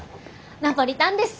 ナポリタンです！